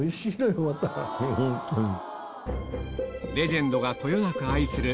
レジェンドがこよなく愛する